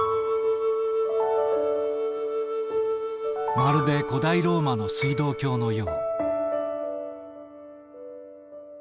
まるで古代ローマの水道橋のよう。